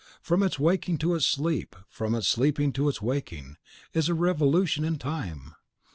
From its waking to its sleep, from its sleep to its waking, is a revolution in Time.